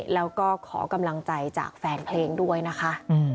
แล้วก็ขอกำลังใจจากแฟนเพลงด้วยนะคะ